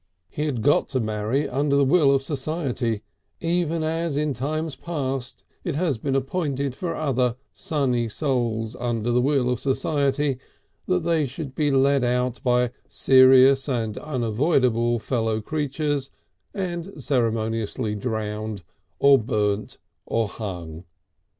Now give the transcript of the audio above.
He had got to marry under the will of society, even as in times past it has been appointed for other sunny souls under the will of society that they should be led out by serious and unavoidable fellow creatures and ceremoniously drowned or burnt or hung.